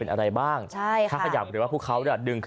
เหรอว่าเขาจะดึงขึ้นมาจะเป็นหนักกว่าเริ่มนะครับจร้ายนั้นแห่งกลุ่ม